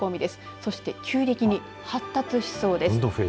そして急激に発達しそうです。